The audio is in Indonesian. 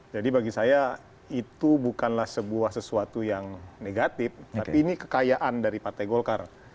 jadi bagi saya itu bukanlah sebuah sesuatu yang negatif tapi ini kekayaan dari partai golkar